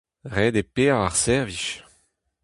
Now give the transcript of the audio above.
Ret eo paeañ ar servij.